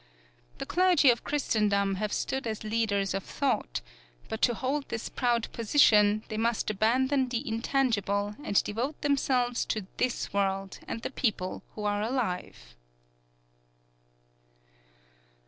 The clergy of Christendom have stood as leaders of thought, but to hold this proud position they must abandon the intangible and devote themselves to this world and the people who are alive."